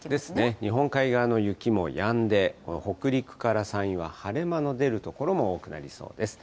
日本海側の雪もやんで、北陸から山陰は晴れ間の出る所も多くなりそうです。